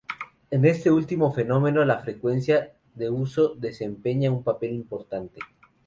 En este último fenómeno la frecuencia de uso desempeña un papel importante.